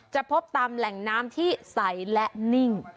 พบตามแหล่งน้ำที่ใสและนิ่ง